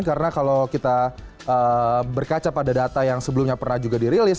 karena kalau kita berkaca pada data yang sebelumnya pernah juga dirilis